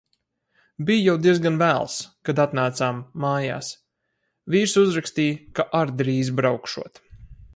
Bija jau diezgan vēls, kad atnācām "mājās", vīrs uzrakstīja, ka ar drīz braukšot.